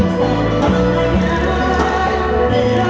สวัสดีครับ